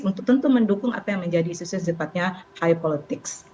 untuk tentu mendukung apa yang menjadi isu isu yang sifatnya high politics